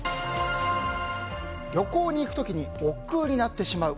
旅行に行く時におっくうになってしまう。